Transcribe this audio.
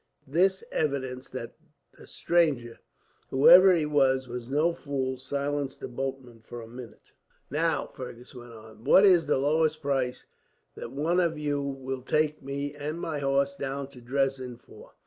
This evidence that the stranger, whoever he was, was no fool, silenced the boatmen for a minute. "Now," Fergus went on, "what is the lowest price that one of you will take me and my horse down to Dresden for?